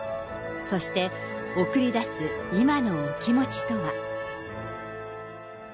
そして、送り出す今のお気持ちとは。